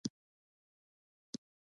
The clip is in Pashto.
خور له شکر سره ژوند کوي.